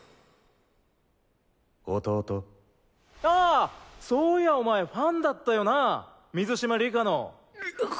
あそういやお前ファンだったよな水嶋里佳の。